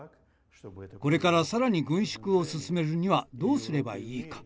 これから更に軍縮を進めるにはどうすればいいか。